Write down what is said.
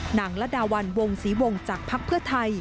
ละดาวันวงศรีวงจากภักดิ์เพื่อไทย